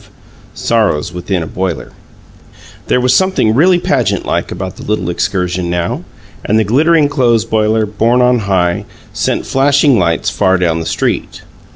V SORROWS WITHIN A BOILER There was something really pageant like about the little excursion now, and the glittering clothes boiler, borne on high, sent flashing lights far down the street.